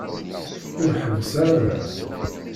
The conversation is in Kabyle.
Ur ḥebbes ara da.